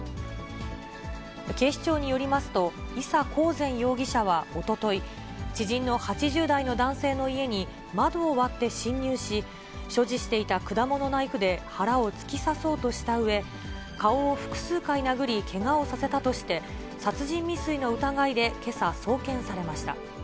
警視庁によりますと、伊佐交善容疑者はおととい、知人の８０代の男性の家に窓を割って侵入し、所持していた果物ナイフで腹を突き刺そうとしたうえ、顔を複数回殴りけがをさせたとして、殺人未遂の疑いでけさ、送検されました。